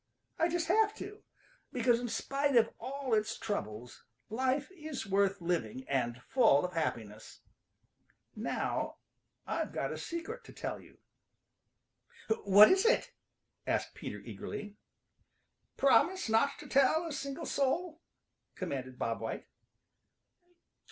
I just have to, because in spite of all its troubles life is worth living and full of happiness. Now I've got a secret to tell you." "What is it?" asked Peter eagerly. "Promise not to tell a single soul," commanded Bob White.